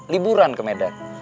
liburan ke medan